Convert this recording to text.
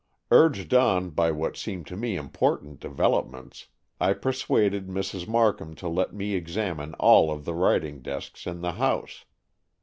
Urged on by what seemed to me important developments, I persuaded Mrs. Markham to let me examine all of the writing desks in the house.